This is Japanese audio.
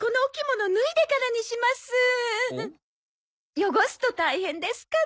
汚すと大変ですから。